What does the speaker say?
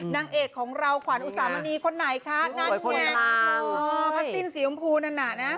นางเอกของเราขวานอุสามณีคนไหนคะนั่นเนี่ยพระสิ้นสีภูมิภูมินั่นนะ